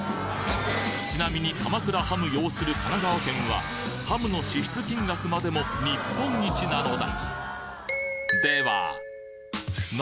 ちなみに鎌倉ハム擁する神奈川県はハムの支出金額までも日本一なのだ